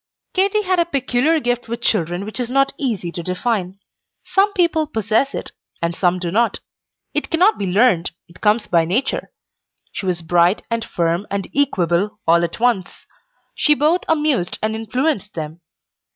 Katy had a peculiar gift with children which is not easy to define. Some people possess it, and some do not; it cannot be learned, it comes by nature. She was bright and firm and equable all at once. She both amused and influenced them.